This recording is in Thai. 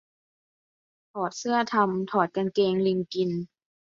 ถอดเสื้อทำ ถอดกางเกงลิงกิน